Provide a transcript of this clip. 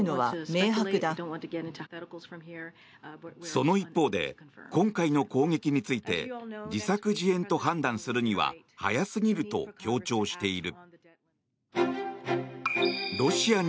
その一方で今回の攻撃について自作自演と判断するには早すぎると強調している。